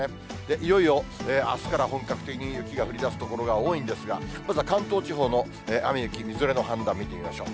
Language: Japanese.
いよいよ、あすから本格的に雪が降りだす所が多いんですが、まずは関東地方の雨、雪、みぞれの判断、見てみましょう。